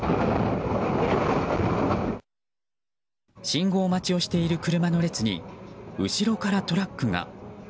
信号待ちをしている車の列に後ろからトラックが。